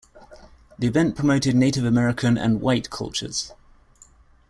The event promoted Native American and "White" cultures.